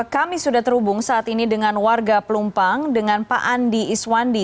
kami sudah terhubung saat ini dengan warga pelumpang dengan pak andi iswandi